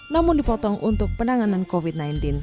namun dipotong untuk penanganan covid sembilan belas